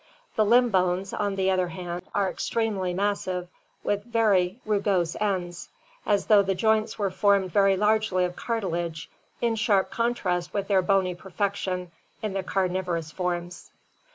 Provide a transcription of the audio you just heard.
The limb bones, on the other hand, are extremely massive, with very rugose ends, as though the joints were formed very largely of cartilage in sharp contrast with their bony perfection in the carnivorous forms.